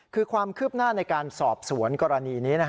คือความคืบหน้าในการสอบสวนกรณีนี้